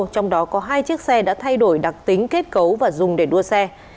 trong đó có hai chiếc xe đã thay đổi đặc tính kết cấu và dùng để đua xe